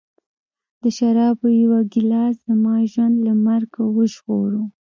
د شرابو یوه ګیلاس زما ژوند له مرګ وژغوره